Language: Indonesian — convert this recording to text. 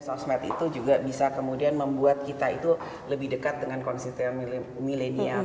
sosmed itu juga bisa kemudian membuat kita itu lebih dekat dengan konsisten milenial